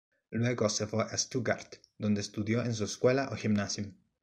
Luego se fue a Stuttgart, donde estudió en su escuela o Gymnasium.